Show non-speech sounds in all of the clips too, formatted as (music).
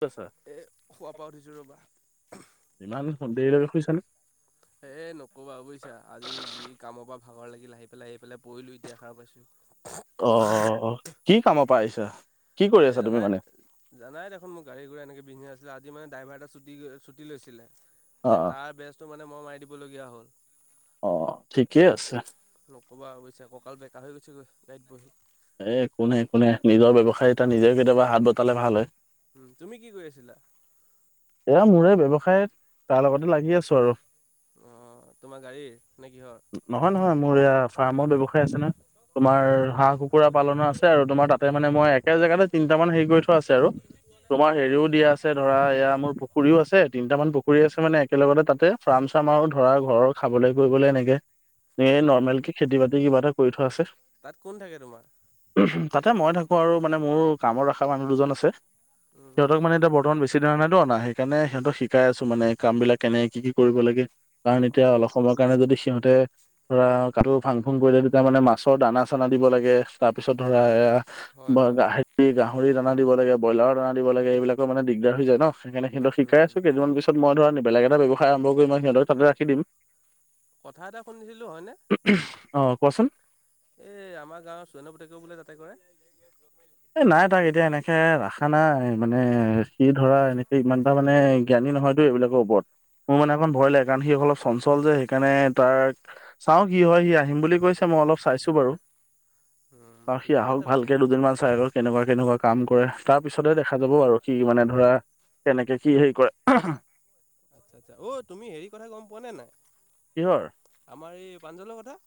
ক'ত আছা এ শুৱাৰ পৰা উঠিছোঁ ৰ'বা। ইমান দেৰিলৈকে শুইছানে? এ নকবা আও বুইছা আজি যি কামৰ পৰা ভাগৰ লাগিল আহি পেলাই আহি পেলাই পৰিলো এতিয়া সাৰ পাইছো। অহ, কি কামৰ পৰা আহিছা? কি কৰি এ আছা তুমি জানাই মানে জানাই দেখোন মোৰ গাড়ী ঘুৰা এনেকে পিন্ধি আছিলে আজি মানে ড্ৰাইভাৰ এটা ছুটি গৈ ছুটি লৈছিলে অ এই অ তাৰ ব্যস্ত মানে মই মাৰি দিবলগীয়া হ'ল। অ' ঠিকেই আছে। ক'বা অৱশ্যে ককাঁল বেকা হৈ গৈছে গৈ গাড়ীত বহি। এ একো নাই একো নাই নিজৰ ব্যৱসায় এটা নিজে কেতিয়াবা হাত বটালে ভাল হয়। উম তুমি কি কৰি আছিলা? এয়া মোৰে ব্যৱসায় তাৰ লগতে লাগি আছো আৰু। অ' তোমাৰ গাড়ীৰ নে কিহৰ? নহয় নহয় মোৰ এয়া ফাৰ্মৰ ব্যয়ৱসায় আছে ন তোমাৰ হাঁহ কুকুৰা পালন আছে আৰু তোমাৰ তাতে মানে মই একে জেগাতে তিনিটা মান হেৰি কৰি থোৱা আছে আৰু। তোমাৰ হেৰিও দিয়া আছে ধৰা এয়া মোৰ পুখুৰীও আছে তিনিটামান পুখুৰী আছে মানে একেলগতে তাতে ফাৰ্ম চাৰ্ম আৰু ধৰা ঘৰৰ খাবলৈ ফুৰিবলৈ এনেকে এ নৰ্মেল কে খেতি বাতি কিবা এটা কৰি থোৱা আছে। তাত কোন থাকে তোমাৰ? তাতে মই থাকোঁ আৰু মানে মোৰ কামত ৰখা মানুহ দুজন আছে অঁ সিহঁতক মানে এতিয়া বৰ্তমান বেছি সেই ধৰণেতো অনা সেইকাৰণে সিহঁতক শিকাই আছো মানে কাম বিলাক কেনে কি কি কৰিব লাগে। কাৰণ এতিয়া অলপ সময়ৰ কাৰণে যদি সিহঁতে ধৰা কাটো ফাং ফুং কৰিলে তেতিয়া মানে মাছৰ দানা চানা দিব লাগে তাৰপিছত ধৰা এয়া হয় হয় হয়। হেৰি গাহৰি দানা দিব লাগে ব্ৰইলাৰৰ দানা দিব লাগে এইবিলাকৰ মানে দিগদাৰ হৈ যায় ন সেইকাৰণে সিহঁতক শিকাই আছো কেইটামান পিছত মই ধৰা বেলেগ এটা ব্যৱসায় আৰম্ভ মই সিহঁত তাতে ৰাখি দিম। কথা এটা শুনিছিলোঁ হয়নে? কোৱা চোন। এই আমাৰ গাঁৱৰ চোৱনৰ পুতেক বোলে তাতে কৰে? এ নাই তাক এতিয়া এনেকে ৰাখা নাই মানে সি ধৰা এনেকে ইমানটা মানে জ্ঞানী নহয়তো এইবিলাকৰ ওপৰত। মোৰ মানে অলপমান ভয় লাগে কাৰণ সি অলপ চঞ্চল যে সেইকাৰণে তাৰ চাও কি হয় সি আহিম বুলি কৈছে ম মই অলপ চাইছো বাৰু উম সি ঠিকে আহক আছে বাৰু। ভালকে দুদিনমান চাই কেনেকুৱা কেনেকুৱা কাম কৰে তাৰ পিছতেহে দেখা যাব আৰু কি মানে ধৰা কেনেকে কি হেৰি কৰে অ' তুমি হেৰি কথা গম পোৱা নে নাই? কিহৰ আমাৰ এই প্ৰাঞ্জলৰ কথা।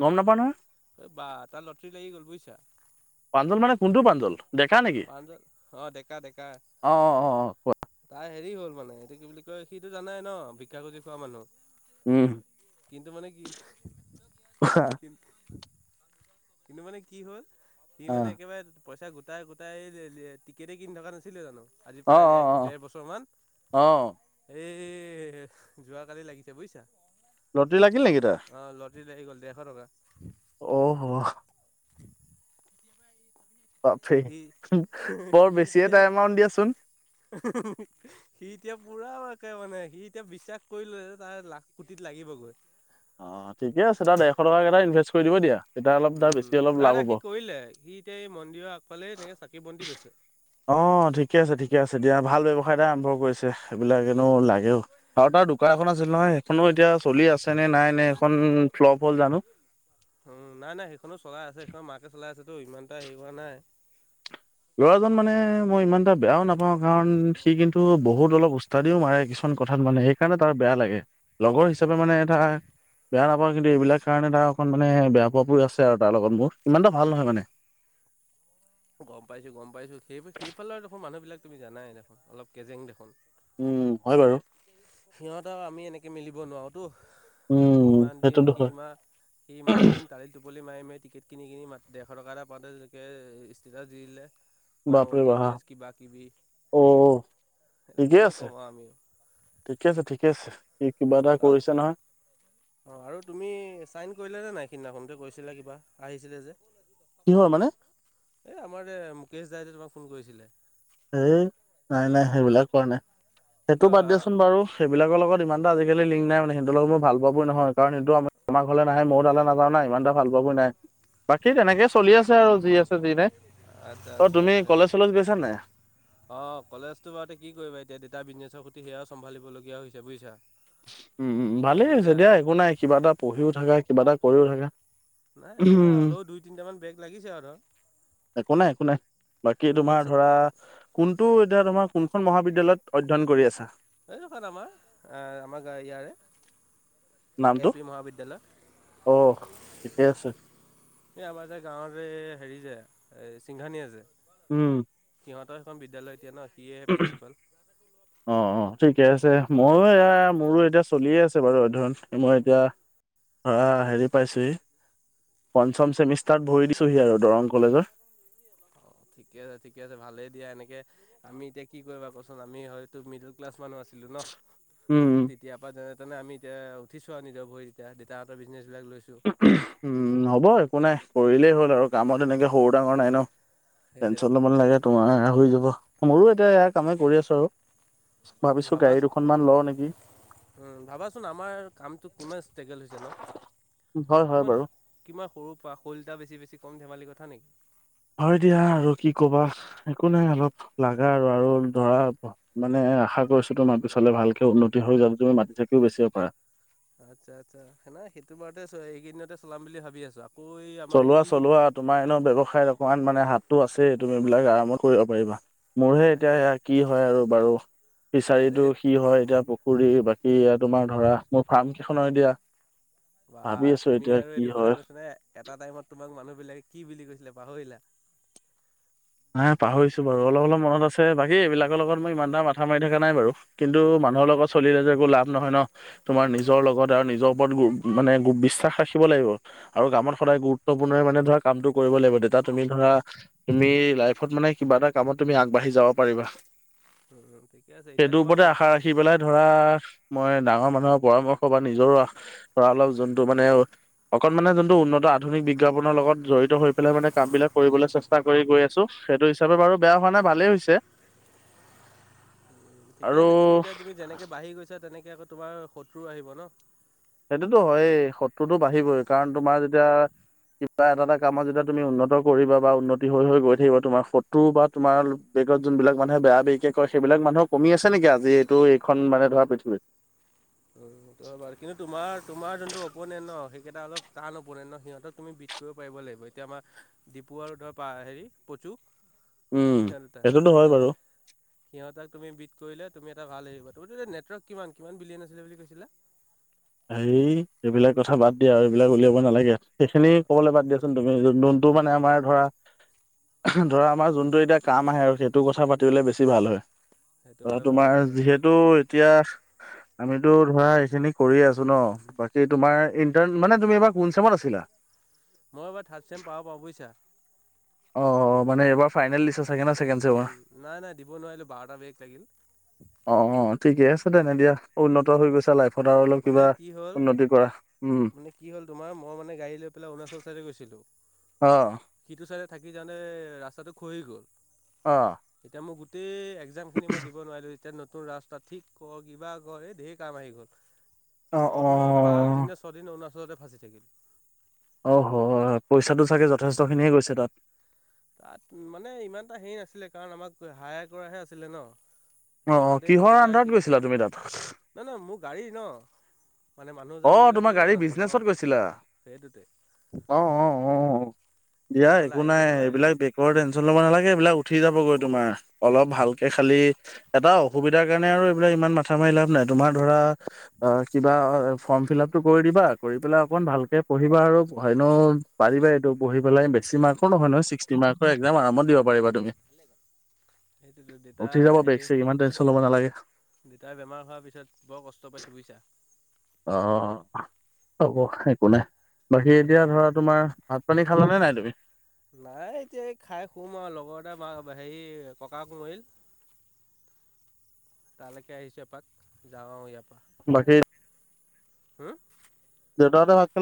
গম নাপাও নহয় এই বা তাৰ লটাৰী লাগি গ'ল বুজিছা পাঞ্জল মানে কোনটো পাঞ্জল? পাঞ্জন অ'ডেকা ডেকা অ অ অ অ কোৱা তাই হেৰি হ'ল মানে এইটো কি বুলি কয় সিটো জানাই ন ভিক্ষাু খুজি খোৱা মানুহ। উম কিন্তু মানে কি কিন্তু কিন্তু মানে কি হ'ল সি অ মানে অ একেবাৰে পইচা গোটাই, গোটাই টিকেটেই কিনি থকা নাছিলে জানোঁ? আজি অ প্ৰায় এক দেৰ বছৰ মান অ অ এই এ, যোৱাকালি লাগিছে বুজিছা। লটৰী লাগিল নেকি তাৰ? অ' লাগি লটাৰী গ'ল দেৰশ টকা। অহ'। অ', বাপৰে সি বৰ সি এতিয়া বেছিয়েটা এমাউট দিয়াচোন। সি এতিয়া পুৰা তে মানে, সি এতিয়া বিশ্বাস কৰিলোঁ যে তাৰ লাখ পুটিত লাগিবগৈ। অ', ঠিকে আছে তাৰ ডেৰশ টক কেইটা ইনভেষ্ট কৰি দিব দিয়া। তেতিয়া অলপ তাৰ উম, বেছি অলপ নাই, লাভ নাই হ'ব। সি কৰিলে সি এতিয়া এই মন্দিৰৰ আগফালে এনেকে চাকি বন্তি বেচে। অ', ঠিকে আছে, ঠিকে আছে দিয়া ভাল ব্য আৰম্ভ কৰিছে, এইবিলাকেনো লাগেও আৰু তাৰ আৰু দোকান এখন আছিল নহয়, সেইখনো এতিয়া চলি আছে। নে নাই নে, এখন ফ্লপ হ'ল জানোঁ। উম, নাই, নাই সেইখনো চলাই আছে, সেইখন মাকে চলাই আছেতো ইমান এটা হেৰি কৰা নাই। ল'ৰাজন মানে মই ইমান এটা বেয়াও নাপাওঁ, কাৰণ সি কিন্তু বহুত অলপ উচতাদিও মাৰে। কিছুমান কথাত মানে সেইকাৰণে তাৰ বেয়া লাগে, লগৰ হিচাপে মানে এটা। বেয়া নাপাওঁ কিন্তু এইবিলাক কাৰণে তাৰ অকণ মানে বেয়া পোৱাবোৰ আছে আৰু তাৰ লগত, মোৰ ইমান এটা ভাল নহয় মানে। (inaudible) গম পাইছোঁ, গম পাইছোঁ সেই সেইফালৰ দেখোন মানুহবিলাক তুমি জানাই দেখোন অলপ কেজেং দেখোন। উম, হয় বাৰু। সিহঁত আৰু আমি এনেকে মিলিব নোৱাৰোতো। উম, সিমান দিন সেইটোতো সি, হয়, সি ইমান দিন তালি টোপলি মাৰি মেলি। টিকেট কিনি, কিনি মানে ডেৰশ টকা এটা পাওঁতে তেনেকে ষ্টেটাছ দি দিলে। মাই বাপৰে অন বাহ! বিজনেচ, কিবা, কিবি অ' এ ঠিকে কিনো আছে, কম আমিও। ঠিকে আছে, ঠিকে আছে কি কিবা এটা কৰিছে নহয়। অ', আৰু তুমি চাইন কৰিলা নে নাই, সিদিনাখনোতে কৈছিলা কিবা আহিছিলে যে? কিহৰ মানে? এ, আমাৰ এ মুকেশ দাইদে তোমাক ফোন কৰিছিলে। এই নাই, নাই সেইবিলাক কৰা নাই সেইটো কিয় বাদ দিয়াচোন বাৰু সেইবিলাকৰ লগত। ইমানটা আজিকালি লিং নাই মানে, সেইটো লগত মই ভাল পোৱা পুই নহয়, কাৰণ সেইটো আমাৰ ঘৰ নে মইও তালৈ নাযাওঁ না ইমান এ ভাল পোৱা। হ'ব নাই। বাকী তেনেকে চলি আছে আৰু যি আছে যি নাই, আচ্ছা অ', তুমি কলেজ চলেজ গৈছা নে নাই। অ', কলেজতো বাৰুতে কি কৰিবা এতিয়া দেউতাৰ বিজনেছৰ প্ৰতি সেয়াও চম্ভালিবলগীয়া হৈছে বুজিচা। উম, ভালেই হৈছে দিয়া একো নাই, কিবা এটা পঢ়িও থাকা কিবা এটা কৰিও থাকা। নাই একো নাই উম হ'লেও, দুই তিনিটামান বেক লাগিছে আৰু ধৰ। একো নাই, একো নাই বাকী সিদিনাখন তোমাৰ ধৰা। কোনটো এতিয়া তোমাৰ কোনখন মহাবিদ্যালয়ত অধ্যয়ন কৰি আছা? এই খনে আমাৰ, আমাৰ গা ইয়াৰে। নামটো এল পি মহাবিদ্যালয় আহ, ঠিকে আছে। এই আমাৰ যে গাঁৱতে হেৰি যে এ চিংঘানিআ যে। উম, সিহঁতৰ এখন বিদ্যালয় এতিয়া ন, সিয়ে প্ৰিন্সিপাল। অ অ ঠিকে আছে, মই এয়া মোৰো এতিয়া চলিয়ে আছে বাৰু অধ্যয়ন মই এতিয়া। অ', হেৰি পাইছেহি। পঞ্চম চেমিষ্টাৰত ভৰি দিছোঁহি আৰু দৰং কলেজৰ। অ', ঠিকে আছে, ঠিকে আছে ভালেই দিয়া এনেকে আমি এতিয়া কি কৰিবাচোন আমি হয়তো মিডিল ক্লাছ। মানুহ আছিলে ন, উম তেতিয়াৰ পৰা যে আমি এতিয়া উঠিছোঁ আৰু নিজৰ ভৰি এতিয়া দেউতাই এটা বিজনেছ। উম, হ'ব একো নাই কৰিলেই হ'ল আৰু কামত এনেকে সৰু ডাঙৰ নাই ন। টেনশচন সেইটোৱেতো অলমান লাগে তোমাৰ হৈ যাব। মোৰো এতিয়া ইাৰ কামেই কৰি আছো আৰু। ভাবিছো গাড়ী দুখনমান লও নেকি। উ, ভাবাচোন আমাৰ কামটো কিমান ষ্ট্ৰেগেল হৈছে ন। হয় হয় কিমান, বাৰু কিমান সৰু পৰা শ'লটা বেছি, বেছি কম ধেমালি কথা নেকি। হয়, দিয়া আৰু কি কবা একো নাই, অলপ লা, আৰু আৰু ধৰা মানে আশা কৰিছো তো মাৰ পিছাললে ভালকে উন্নতি হৈ যাব। তুমি মাটি, চাকিও বেছিব পা আচ্ছা, আচ্ছা সে, ননা সেইটো বাৰতে এইকেইদিনতে চলাম বুলি ভাবি আছো। চলোৱা, চলোৱা তোমাৰ এনে ব্যৱসায়ত অকমান মানে হাত টো, আছে তুমি এইবিলাক আৰামত কৰিব পাৰিবা। মোৰহে এতিয়া তাকে সয়া, কি হয় আৰু, বাৰু আৰে ফিচাৰীটো কি হয়, এতিয়া পুখুৰী ব কি তোমাৰ ধৰা মোৰ ফাৰ্ম কেইখন আৰু এতিয়া বা ভাবি আছো, তুমি এতিয়া আৰু কি এইটো কথা হয়। কৈছা নে এটা টাইমত তোমাক মানুহ বিলাকে কি বুলি কৈছিলে পাহৰিলা। নাই পাহৰিছো বাৰু অলপ, অলপ মন আছে। বাকী এইবিলাকৰ লগত মই ইমানটা মাথা মাৰি থকা নাই বাৰু। কিন্তু উম মানুহৰ লগত এক- চলিলে যে, একো লাভ নহয় ন, তোমাৰ নিজৰ লগত আৰু নিজৰ ওপৰত মানে বিশ্বাস ৰাখিব লাগিব আৰু কামত সদায় গুৰুত্বপূৰ্ণ মানে ধৰা কামটো কৰিব লাগিব তে তুমি ধৰা তুমি লাইফত মানে কিবা এটা কামত তুমি আগবাঢ়ি যাব পাৰিবা। উম ঠিকে আছে এতিয়া সেইটোৰ তোমাৰ ওপৰতে বৰ্ত আশা ৰাখি পেলাই ধৰা মই ডাঙৰ মানুহৰ পৰামৰ্শ বা নিজৰো পৰা অলপ যোনটো মানে অকন মানে যোনটো উন্নত আধুনিক বিজ্ঞাপনৰ লগত জড়িত হৈ পেলাই মানে কাম বিলাক কৰিবলৈ চেষ্টা কৰি গৈ আছো। সেইটো হিচাপে বাৰু বেয়া হোৱা নাই, ভালেই হৈছে। ঠিকে আৰু আছে, কিন্তু এতিয়া তুমি যেনেকে বাঢ়ি গৈছা, তেনেকে আকৌ তোমাৰ শত্ৰু আহিব ন। সেইটোতো হয়েই, শত্ৰুতো বাঢ়িবই কাৰণ তোমাৰ যেতিয়া কিবা এটা, এটা কামত যেতিয়া তুমি উন্নত কৰিবা বা উন্নতি হৈ, হৈ, গৈ, থাকিবা তোমাৰ ফটো বা তোমাৰ ত, যোনবিলাক মানুহে বেয়া বেয়িকে কয়, সেইবিলাক মানুহ কমি আছে নেকি আজি এইটো এইখন মানে ধৰা পৃথিবীত উম। ৰ, কিন্তু তোমাৰ, তোমাৰ যোনটো অপোনেণ্ট ন, সেইকেইটা অলপ টান অপোনেণ্ট ন, সিহঁতক তুমি বিট কৰিব পাৰিব লাগিব। লাগ এতিয়া আমাৰ ডিপু আৰু ধৰা হেৰি প্ৰচুৰ উম সহ তাক সেইটোতো হয় সহ, বাৰু সিহঁতাক তুমি বিট কৰিলে। তুমি এটা ভাল আহিবা, তুমাৰ নেটৱৰ্ক কিমান, কিমান বিলিয়ন আছিল বুলি কৈছিলা। হ, এইবিলাক কথা বাদ দিয়া আৰু এইবিলাক উলিয়াব নালাগে, সেইখিনি ক'বলৈ বাদ, দিয়াচোন তুমি যোন টো, মানে আমাৰ ধৰা ধৰা আমাৰ যোনটো এতিয়া কাম আহে আৰু সেইটো কথা পাতিবলে বেছি ভাল হয়। সেইটো ধৰা হয় বাৰু তোমাৰ সেইটো হয় বাৰু যিহেতু এতিয়া আমিতো ধৰা এইখিনিক কৰিয়ে আছোঁ ন, বাকী তোমাৰ ইণ্টাৰ্ণ মানে তুমি এইবাৰ কোন চেমত আছিলা। মই এবাৰ থাৰ্ড ছেম পা, পাও, বুজিছা। অ, মানে এইবাৰ ফাইনেল লিষ্ট আ ছেকেন্ড ছেমৰ উম, নাই নাই দিব নোৱাৰিলোঁ বাৰটা বেগ লাগিল অ', অ', ঠিকে আছে। তেনে দিয়া উন্নত হৈ গৈছা, লাইফত আৰু অলপ মানে কিবা কি হ'ল উন্নতি কৰা। উম মানে কি হ'ল তোমাৰ মই মানে গাড়ী লৈ পেলাই অৰুণাচল চাইডে গৈছিলো। আহ। ওচ থাকি কাৰণে ৰাস্তাটো খহি গল' অ এতিয়া মই গোটেই একজামখিনি মই দিব নোৱাৰিলোঁ। এতিয়া নতুন ৰাস্তা ঠিক কৰ, কিবা কৰ, এই ঢেৰ কাম আহি গ'ল। অ অ মইতো আৰু পাঁচদিন নে, ছদিন অৰুণাচলতে ফাঁচি থাকিলোঁ। অ, হয়, পইচাটো চাগে যথেষ্টখিনিহে গৈছে তাত। তাত মানে ইমান এটা হেৰি নাছিলে কাৰণ আমাক হায়াৰ কৰাহে আছিলে ন। অ অ সিহঁতে কিহৰ পইচা আন্ধাৰত সিহঁতে গৈছিলা তুমি তাত নহ, নহ, মোৰ গাড়ী ন। মানে মানুহ যাম বুলি আহ, কৈছিলে তোমাৰ ন গাড়ী অৰুণাচল অ। বিজনেচত গৈছিলা সেইটোতে আহ, অ, আহ। দিয়া এতিয়া এইফালে একো নাই, আহিবও নোৱাৰিলোঁ এইবিলাক বেকাৰ টেনচন ল'ব নালাগে। এইবিলাক উ উঠি যাবগৈ তোমাৰ অলপ ভালকে খালি এটা অসুবিধাৰ কাৰণে আৰু এইবিলাক ইমান মাথা মাৰি লাভ নাই। তোমাৰ ধৰা আ কিবা ফৰ্ম ফিল আপটো কৰি দিবা, কৰি পেলাই অকন ভালকে পঢ়িবা আৰু হেনৌ পাৰিবা এইটো পঢ়ি পেলাই বে বেছি মাৰ্কৰ নহয় নহয় ছিকষ্টি মাৰ্কৰ একজাম আৰামত দিব পাৰিবা তুমি। সেইটোতে দেউতা উঠি যাব বেক হেৰি ছেক ইমান টেনশ্যন ল'ব নালাগে দেউতাৰ বেমাৰ হোৱাৰ পিছত বৰ কষ্ট পাইছো বুইছা। অ হ'ব একো নাই। বাকী আগতে এতিয়া ধৰা তোমাৰ, ভাত-পানী খালানে নাই তুমি? নাই এতিয়া এই খাই শুম আও লগৰ এটা বা হেৰি ককাক মৰিল তালেকে আহিছো এপাক, যাওঁ আৰু ইয়াৰ পৰা। বাকী হু? দেউতাহঁত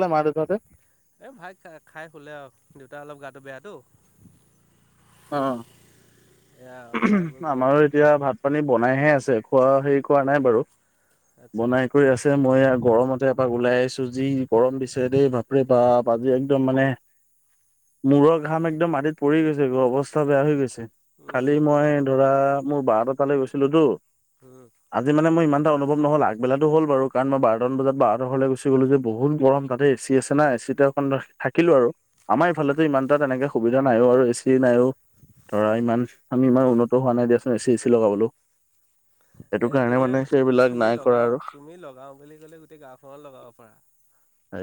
এই ভাত খাই শুলে আৰু দেউতা অলপ গাটো বেয়াটো। অ, এয়া খাই বৈ গ'ল আমাৰো এতিয়া ভাত-পানী বনাইহে আ ছে খোৱা হেৰি কৰা নাই বাৰু আচ্ছা আচ্ছা বনাই আচ্ছা কৰি আছে মই এইয়া গৰমত তে এপাক ওলাই আহিছো, যি গৰম দিছে দেই বাপৰে বাপ আজি একদম মানে মূৰৰ ঘাম একদম মাটিত পৰি গৈছে ছে অৱস্থা বেয়া হৈ গৈছে উম কালি মই নক'বা ধৰা নক'বা মোৰ বাহতৰ তালে গৈছিলো তো উম আজি মানে মই ইমান অনুভৱ নহ'ল আগবেলাটো হ'ল বাৰু কাৰণ মই বাৰটা মান বজাত বাহতৰ ঘৰলে গুচি গলো যে বহুত গৰম তাতে এ চি আছে না এ চি চিতে অকন থাকিলো আৰু আমাৰ এইফালে যে ইমান এটা তেনেকে সুবিধা নাইও আৰু এ চি নাইও ধৰা ইমান আমি ইমান উন্নত হোৱা নাই দিয়াচোন এ চি চে চি লগাবলৈও। এ সেইটো কাৰণে তুমি মানে (unintelligible) তুমি কৰা লগাও আৰু তুমি লগাও বুলি ক'লে গোটেই গাঁওখনত লগাব পাৰা।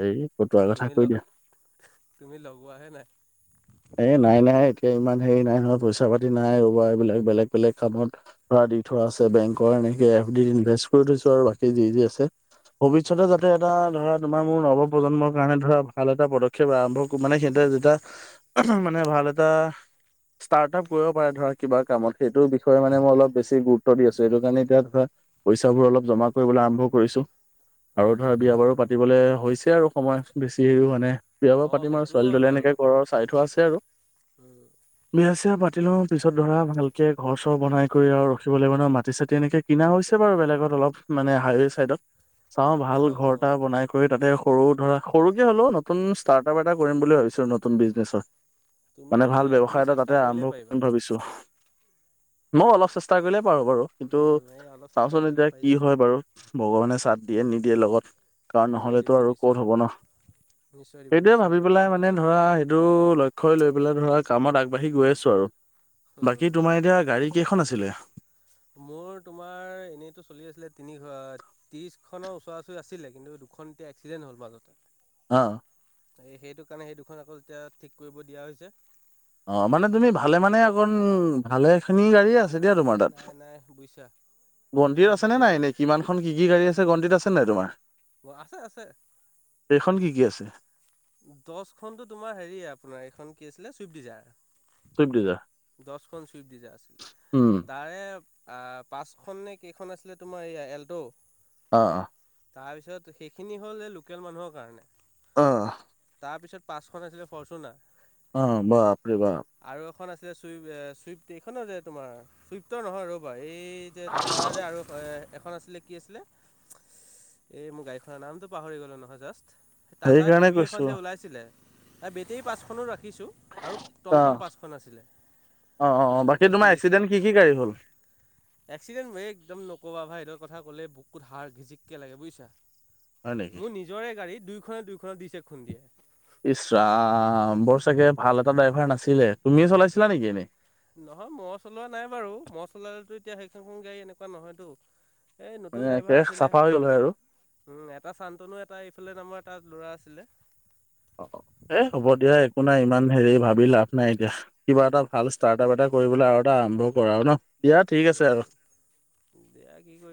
এই ফতোৱা কথা তুমি ল কৈ দিয়া তুমি লগোৱাহে নাই এই নাই নাই ইমান হেৰি নাই নহয় পইচা পাতি নাই তোমাৰ এইবিলাক বেলেগ বেলেগ কামত ধৰা দি থোৱা আছে বেংকৰ এনে এ ফ ডিত ইনভেষ্ট কৰি থৈছো আৰু বাকী যি যি আছে ভৱিষ্যতে উম যাতে এটা ধৰা তোমাৰ মোৰ নৱ প্ৰজন্মৰ কাৰণে ধৰা ভাল এটা পদক্ষেপ আৰম্ভ মানে সিহঁতে যেতিয়া মানে ভাল ভাল এটা (inaudible) ষ্টাৰ্ট আপ কৰিব পাৰে ধৰা কিবা কামত। সেইটো বিষয়ে মানে মই অলপ বেছি গুৰুত্ব দি আছো সেইটো কাৰণে এতিয়া ধৰা পইচাবোৰ অলপ জমা কৰিবলৈ আৰম্ভ কৰিছো আৰু উম ধৰা সেইটো বিয়া হয় বাৰু পাতিবলে হৈছে আৰু সময় বেছি হেৰিও মানে বিয়া বাৰু অ পাতিম আৰু সেইটোও হয় ছোৱালী-টোৱালী বাৰু এনেকে ঘৰৰ চাই থোৱা আছে আৰু। উম বিয়া-চিয়া পাতি পাতি লওঁ পিছত ধৰা ভালকে ঘৰ-চৰ বনাই কৰি আৰু ৰখিব লাগিব নহ। মাটি-চাটি এনেকে কিনা হৈছে বাৰু বেলেগত। অলপ মানে হাই ৱে চাইডত চাওঁ তাকেই ভাল ভাবোঁ ঘৰ এটা মই বনাই কৰি তাতে সৰু ধৰা সৰুকে হ'লেও নতুন ষ্টাৰ্টআপ এটা কৰিম বুলি ভাবিছো নতুন বিজনেচত। মানে তুমিতো কি ভাল আৰু তুমি ব্যৱসায় এটা চেষ্টা তাতে আৰম্ভ কৰিলেই পাৰিবা কৰিম ভাবিছো। মইয়ো অলপ চেষ্টা কৰিলে পাৰো বাৰু কিন্তু উম এই অলপ চেষ্টা চাওঁচোন কৰিলে এতিয়া পাৰি কি যাবা হয় বাৰু ভগৱানে চাঠ দিয়ে নিদিয়ে লগত। কৰণ দিব নহ'লেতো দিব আৰু ক'ত নিশ্চয় হ'ব দিব ন? নিশ্চয় দিব সেইটোয়ে নিশ্চয় ভাবি দিব পেলাই মানে ধৰা সেইটো ল লক্ষ্য লৈ পেলাই ধৰা কামত আগবাঢ়ি গৈ আছো আৰু। বাকী উম তোমাৰ এতিয়া গাড়ী কেইখন আছিলে? মোৰ তোমাৰ এনেইতটো চলি আছিলে তিনি ত্ৰিশ খনৰ ওচৰা ওচৰি আছিলে কিন্তু দুখন এতিয়া এক্সিডেণ্ট হ'ল মাজতে। অ। সেইটো কাৰণে সেই দুখন আকৌ এতিয়া ঠিক কৰিব দিয়া হৈছে। অ মানে তুমি ভালে মানে অকণ ভালেখিনি গাড়ীয়ে আছে নাই দিয়া তোমাৰ নাই তাত। নাই নাই বুজিছা যোনটো গণ্টি আছেনে নাই ভাবিছিলো এনেই কিমানখন কি কি গাড়ী আছে গণ্টিত আছেনে নাই তোমাৰ? আছে আছে কেইখন কি কি আছে? দচখনতো তোমাৰ হেৰি আপোনাৰ এইখন কি আছিলে চুইফ্ট ডিজাৰ চুইফ্ট ডিজাৰ? দচখন চুইপ ডিজাৰ আছিল উম, তাৰে আহ পাঁচখন নে কেইখন আছিলে তোমাৰ এইয়া এল্ট' অ অ তাৰপিছত সেইখিনি হ'ল এই লোকেল মানুহৰ কাৰণে অ তাৰপিছত পাঁচখন আছিলে ফৰচুনা অ বাপাৰে বাপ এখন আছিলে চুই চুইফ্ট এইখনো যে তোমাৰ চুইফ্টৰ নহয় ৰ'বা এই যে তাতাৰ যে আৰু এখন আছিলে কি আছিল এই মোৰ গাড়ীখনৰ নামতো পাহৰি গলো জাস্ট ই সেইকাৰণে ভি এখন কৈছো। যে ওলাইছিলে এই বেটেৰী পাঁচখনো ৰাখি শিকিছো আৰু টমটম অ', পাঁচখন আছিলে অ', অ', অ বাকী তোমাৰ এক্সিডেণ্ট কি কি গাড়ী হ'ল এ্কচিডেণ্ট ম একদম নকবা ভাই কথা কলে বুকুত হাড় ঘিজচিকে লাগে বুজিছা হয় নেকি? মোৰ নিজৰে গাড়ী দুইনে দুই পিছে খুন্দিয়ে ইচৰাম বৰ চাগেভাল এটা ড্ৰাইভাৰ নাছিলে তুমিয়ে চলাইছিলা নেকি এনেই নহয় মই চলোৱা নাই বাৰু মই চলালেতো এতিয়া সেইখনখন গাড়ী এনেকুৱা নহয়তো এই নতুন মানে একে ড্ৰাইভাৰ আছিলে চাফা হৈ গ'ল হয় আৰু। এটা চান্তনু এটা এইফালে নামৰ এটা ল'ৰা আছিলে অ এ হ'ব দিয়া একো নাই ইমান হেৰি ভাবি লাভ নাই এতিয়া কিবা এটা ভাল ষ্টাৰ্টআপ এটা কৰিবলৈ আৰু এটা আৰম্ভ কৰা ন দিয়া ঠিক আছে আৰু দিয়া কি কৰি